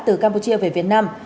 từ campuchia về việt nam